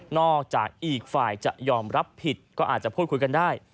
จากอีกฝ่ายจะยอมรับผิดก็อาจจะพูดคุยกันได้